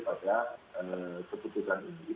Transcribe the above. pada keputusan ini